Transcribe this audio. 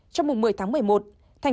trong mùa một mươi tháng một mươi một